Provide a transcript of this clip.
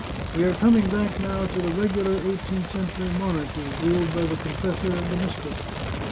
" We are coming back, now, to the regular eighteenth century monarchy, ruled by the confessor and the mistress.